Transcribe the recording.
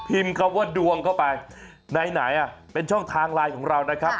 คำว่าดวงเข้าไปไหนเป็นช่องทางไลน์ของเรานะครับ